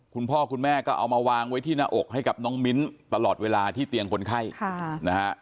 คุณพ่อคุณแม่ก็เอามาวางไว้ที่หน้าอกให้กับน้องมิ้นตลอดเวลาที่เตียงคนไข้นะฮะ